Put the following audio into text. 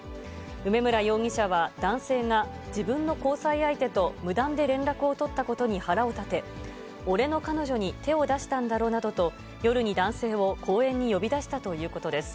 梅村容疑者は男性が自分の交際相手と無断で連絡を取ったことに腹を立て、俺の彼女に手を出したんだろなどと、夜に男性を公園に呼び出したということです。